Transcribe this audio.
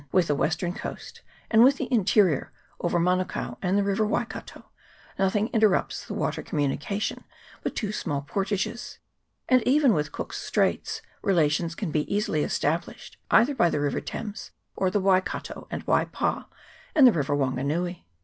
With the western coast, and with the inte rior, over Manukao and the river Waikato, nothing interrupts the water communication but two small portages ; and even with Cook's Straits relations can be easily established, either by the river Thames, or the Waikato and Wai pa, and the river Wanganui.